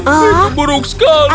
itu buruk sekali